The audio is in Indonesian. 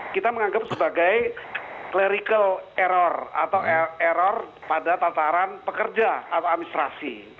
kita menganggap sebagai clerical error atau error pada tataran pekerja atau administrasi